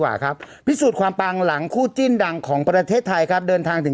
ถ้ารู้ว่าดังขนาดนั้นอู๊